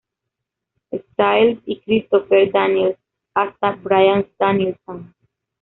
Styles y Christopher Daniels hasta Bryan Danielson.